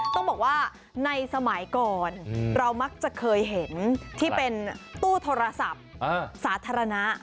ต้องบอกว่าในสมัยก่อนเรามักจะเคยเห็นที่เป็นตู้โทรศัพท์สาธารณะ